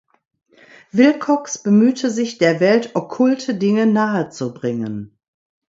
Wilcox bemühte sich, der Welt okkulte Dinge nahe zu bringen.